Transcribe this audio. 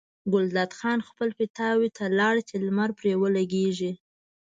ګلداد خان خپل پیتاوي ته لاړ چې لمر پرې ولګي.